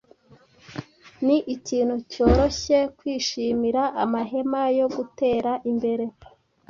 Ni ikintu cyoroshye kwishimira amahema yo gutera imbere